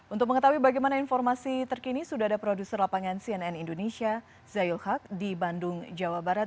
untuk mengetahui bagaimana informasi terkini sudah ada produser lapangan cnn indonesia zayul haq di bandung jawa barat